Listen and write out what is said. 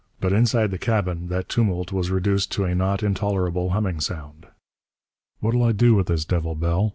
But inside the cabin that tumult was reduced to a not intolerable humming sound. "What'll I do with this devil, Bell?"